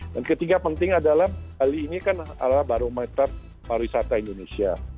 dan ketiga penting adalah kali ini kan adalah barometer pariwisata indonesia